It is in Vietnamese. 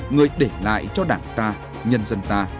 người để lại cho đảng ta nhân dân ta